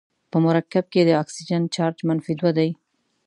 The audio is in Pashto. په مرکب کې د اکسیجن چارج منفي دوه دی.